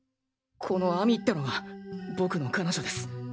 この亜美ってのが僕の彼女です。